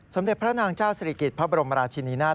สมเด็จพระนางเจ้าศิริกิจพระบรมราชินีนาฏ